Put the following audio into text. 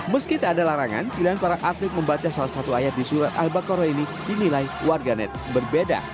meski tak ada larangan pilihan para atlet membaca salah satu ayat di surat al baqarah ini dinilai warganet berbeda